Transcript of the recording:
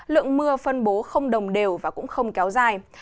lượng mưa phân bố không đồng đều và cũng không kéo dài